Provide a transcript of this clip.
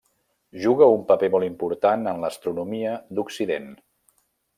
Juga un paper molt important en l'astronomia d'occident.